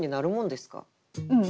うん。